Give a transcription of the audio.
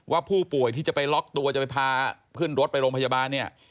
ว่าผู้ป่วยที่จะไปล็อกตัวจะไปพาขึ้นรถไปโรงพยาบาลเนี่ย